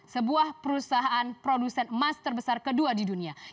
sebuah perusahaan produsen emas terbesar kedua di dunia